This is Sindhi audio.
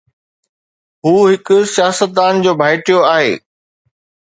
هو هڪ سياستدان جو ڀائٽيو آهي.